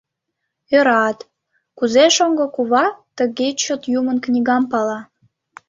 Ӧрат, кузе шоҥго кува тыге чот юмын кнагам пала.